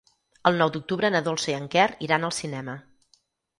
El nou d'octubre na Dolça i en Quer iran al cinema.